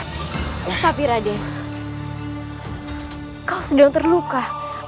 tapi raden kau sedang terluka